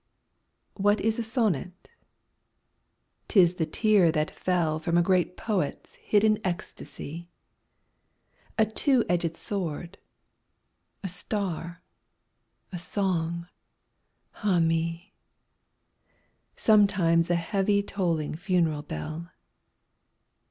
What is a sonnet ? 'T is the tear that fell From a great poet's hidden ecstasy ; A two edged sword, a star, a song — ah me I Sometimes a heavy tolling funeral bell.